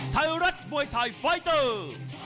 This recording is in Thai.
ไทยรัฐมวยไทยไฟเตอร์